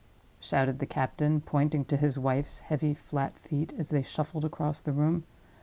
shouted the captain, pointing to his wife's heavy flat feet as they shuffled across the room.